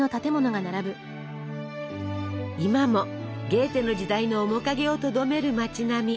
今もゲーテの時代の面影をとどめる町並み。